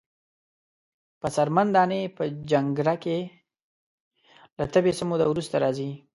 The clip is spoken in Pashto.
په څرمن دانی په جنکره کښی له تبی څه موده وروسته راځی۔